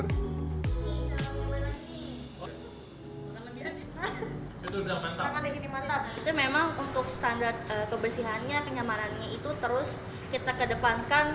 itu memang untuk standar kebersihannya kenyamanannya itu terus kita kedepankan